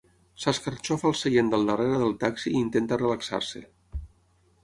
S'escarxofa al seient del darrere del taxi i intenta relaxar-se.